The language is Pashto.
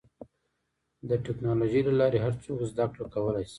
د ټکنالوجۍ له لارې هر څوک زدهکړه کولی شي.